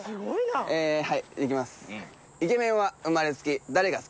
えはいいきます。